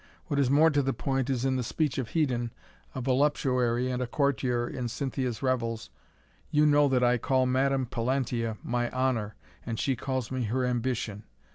What is more to the point is in the speech of Hedon, a voluptuary and a courtier in Cynthia's Revels. "you know that I call Madam Plilantia my Honour, and she calls me her _Ambition.